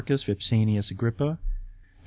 Vipsanius Agrppa and C.